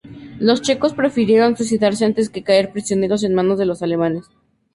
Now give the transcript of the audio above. Los checos prefirieron suicidarse antes que caer prisioneros en manos de los alemanes.